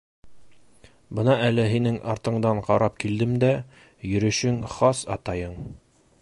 Бына әле һинең артыңдан ҡарап килдем дә, йөрөшөң хас атайың.